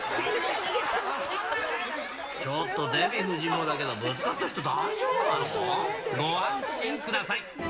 ちょっと、デヴィ夫人もだけど、ぶつかった人、ご安心ください。